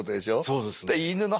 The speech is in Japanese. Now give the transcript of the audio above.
そうです。